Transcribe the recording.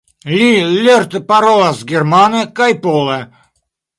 Li lerte parolas germane kaj pole.